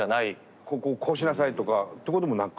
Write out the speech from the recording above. こうこうこうしなさいとかということもなく？